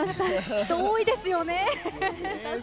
人、多いですよね。